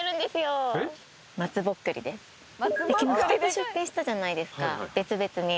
昨日２つ出品したじゃないですか別々に。